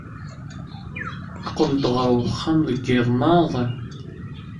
Yeqqel-d ɣer uxxam deg yiḍ maḍi.